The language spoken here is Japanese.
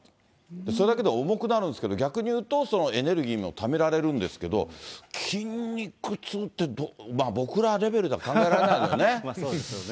それだけでも重くなるんですけど、逆に言うと、エネルギーもためられるんですけど、筋肉痛って僕らレベルでは考えられないですね。